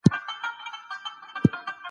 د علم د منابعو منځته راتلل هر وخت ممکن دی.